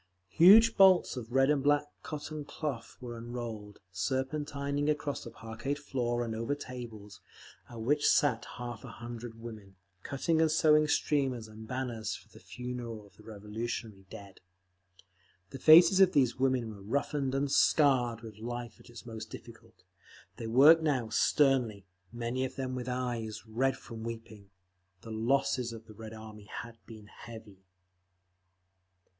Huge bolts of red and black cotton cloth were unrolled, serpentining across the parqueted floor and over tables, at which sat half a hundred women, cutting and sewing streamers and banners for the Funeral of the Revolutionary Dead. The faces of these women were roughened and scarred with life at its most difficult; they worked now sternly, many of them with eyes red from weeping…. The losses of the Red Army had been heavy.